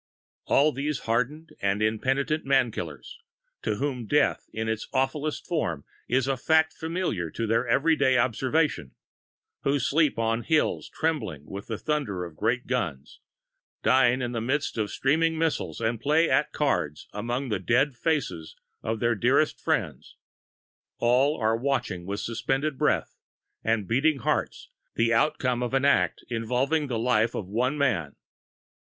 All these hardened and impenitent man killers, to whom death in its awfulest forms is a fact familiar to their every day observation; who sleep on hills trembling with the thunder of great guns, dine in the midst of streaming missiles, and play at cards among the dead faces of their dearest friends, all are watching with suspended breath and beating hearts the outcome of an act involving the life of one man.